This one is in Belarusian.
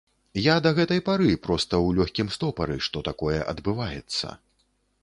Я да гэтай пары, проста, у лёгкім стопары, што такое адбываецца.